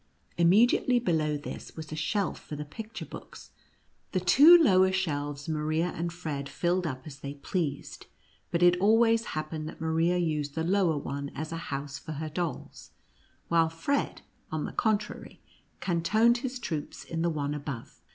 Immediately below 26 NTJTCE ACKER AND MOUSE KIXG. this was a shelf for the picture books ; the two lower shelves Maria and Fred filled up as they pleased, but it always happened that Maria used the lower one as a house for her dolls, while Fred, on the contrary, cantoned his troops in the one above.